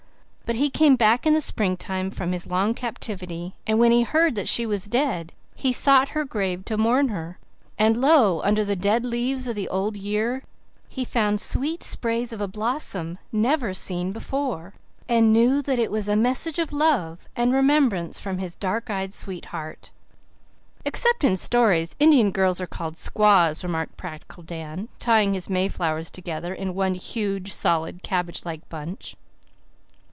But he came back in the spring time from his long captivity; and when he heard that she was dead he sought her grave to mourn her, and lo, under the dead leaves of the old year he found sweet sprays of a blossom never seen before, and knew that it was a message of love and remembrance from his dark eyed sweet heart. "Except in stories Indian girls are called squaws," remarked practical Dan, tying his mayflowers together in one huge, solid, cabbage like bunch.